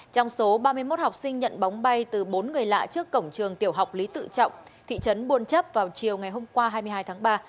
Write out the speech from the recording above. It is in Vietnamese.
trong số ba mươi một học sinh nhận bóng bay từ bốn người lạ trước cổng trường tiểu học lý tự trọng thị trấn buôn chấp vào chiều ngày hôm qua hai mươi hai tháng ba